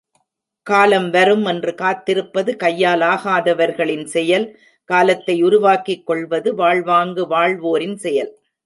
காலம் வரும் என்று காத்திருப்பது கையாலாகாதவர்களின் செயல் காலத்தை உருவாக்கிக் கொள்வது வாழ்வாங்கு வாழ்வோரின் செயல்.